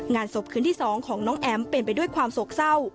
งานศพคืนที่๒ของน้องแอ๋มเป็นไปด้วยความโศกเศร้า